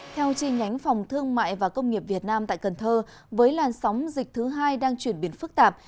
theo chi nhánh phòng thương mại và công nghiệp việt nam tại cần thơ với làn sóng dịch thứ hai đang chuyển biến phức tạp